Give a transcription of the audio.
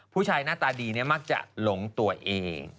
ผู้ชายหน้าตาดีมักจะหลงตัวเอง